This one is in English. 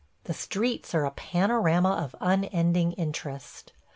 The streets are a panorama of unending interest.